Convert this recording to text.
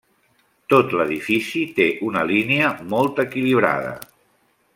Tot l'edifici té una línia molt equilibrada.